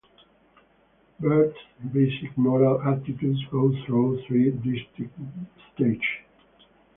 Bert's basic moral attitudes go through three distinct stages.